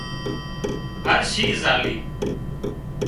هر شيز آلي